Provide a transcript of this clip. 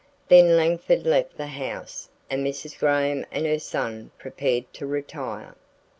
Then Langford left the house and Mrs. Graham and her son prepared to retire.